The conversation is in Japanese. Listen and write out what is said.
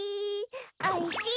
おいしイ。